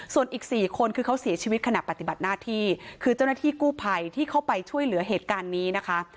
ส่วนอีก๔คนคือเขาเสียชีวิตขณะปฏิบัติหน้าที่คือเจ้าหน้าที่กู้ภัยที่เข้าไปช่วยเหลือเหตุการณ์นี้นะคะ